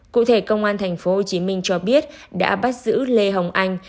cụ thể công an tp hcm cho biết đã bắt giữ lê hồng anh